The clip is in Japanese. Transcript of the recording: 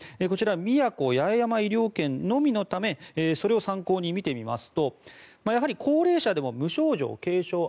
こちら宮古・八重山医療圏のみのためそれを参考に見てみますと高齢者でも無症状・軽症